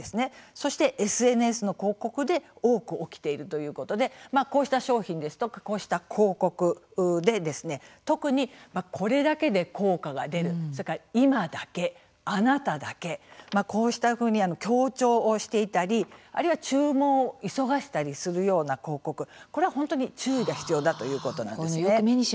そしてＳＮＳの広告で多く起きているということでこうした商品ですとかこうした広告特に、これだけで効果が出る今だけ、あなただけこうしたふうに強調をしていたりあるいは注文を急がせたりするような広告これには本当に注意が必要ということです。